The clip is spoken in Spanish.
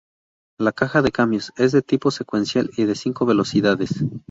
La caja de cambios es de tipo secuencial y de cinco velocidades.